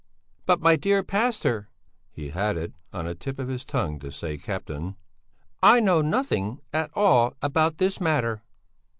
"But, my dear pastor he had it on the tip of his tongue to say captain I know nothing at all about this matter."